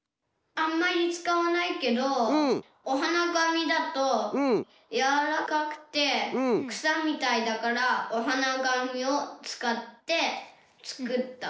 あんまりつかわないけどおはながみだとやわらかくてくさみたいだからおはながみをつかってつくった。